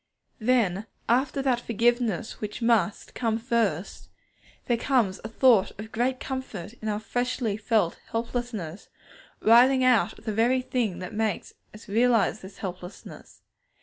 Then, after that forgiveness which must come first, there comes a thought of great comfort in our freshly felt helplessness, rising out of the very thing that makes us realize this helplessness.